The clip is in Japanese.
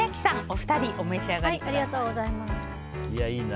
お二人、お召し上がりください。